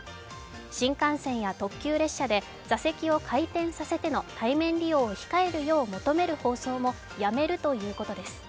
新幹線や特急列車で座席を回転させての対面利用を求める放送もやめるということです。